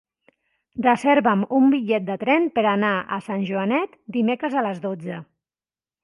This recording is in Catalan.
Reserva'm un bitllet de tren per anar a Sant Joanet dimecres a les dotze.